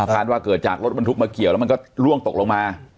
การว่าเกิดจากรถบันทุกข์เมื่อเกี่ยวแล้วมันก็ล่วงตกลงมา